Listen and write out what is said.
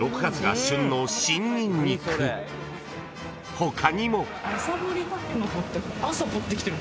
［他にも］